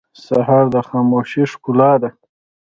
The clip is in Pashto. سهار د خاموشۍ ښکلا ده.